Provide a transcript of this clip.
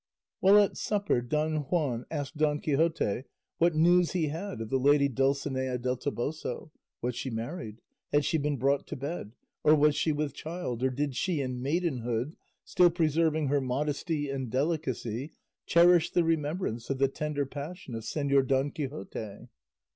While at supper Don Juan asked Don Quixote what news he had of the lady Dulcinea del Toboso, was she married, had she been brought to bed, or was she with child, or did she in maidenhood, still preserving her modesty and delicacy, cherish the remembrance of the tender passion of Señor Don Quixote?